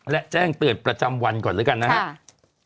และแจ้งเตือนประจำวันก่อนแล้วกันนะครับ